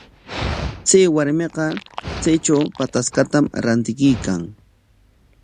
Chay warmiqa chaytraw pataskatam rantikuykan.